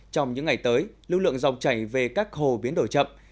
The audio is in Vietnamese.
trong những ngày tới lưu lượng dòng chảy về các hồ biến đổi chậm